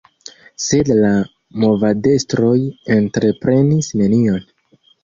Sed la movadestroj entreprenis nenion.